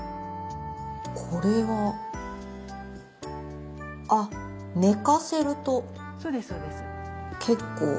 これはあ寝かせると結構。